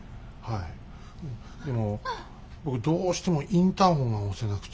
でも僕どうしてもインターホンが押せなくて。